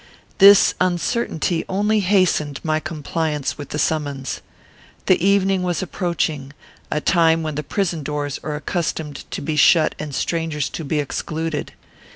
This uncertainty only hastened my compliance with the summons. The evening was approaching, a time when the prison doors are accustomed to be shut and strangers to be excluded.